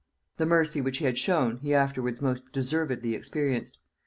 The mercy which he had shown, he afterwards most deservedly experienced.